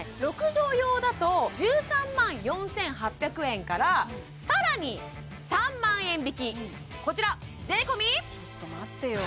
６畳用だと１３万４８００円から更に３万円引きこちら税込ちょっと待ってよ